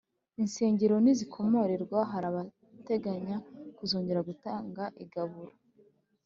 insengero nizikomorerwa hari abateganya kuzongera gutanga igaburo